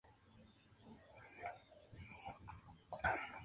Su madre es Laura Lyons, una ex-Playboy Playmate.